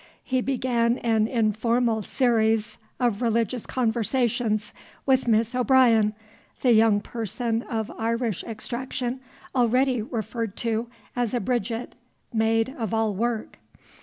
He began an informal series of religious conversations with Miss O'Brien, the young person of Irish extraction already referred to as Bridget, maid of all work.